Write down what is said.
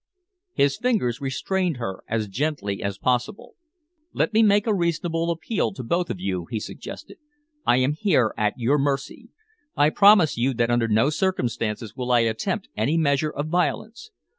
His fingers restrained her as gently as possible. "Let me make a reasonable appeal to both of you," he suggested. "I am here at your mercy. I promise you that under no circumstances will I attempt any measure of violence.